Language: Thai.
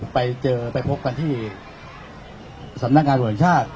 ไปเจอไปพบกันที่สำนักงานโดยชาติ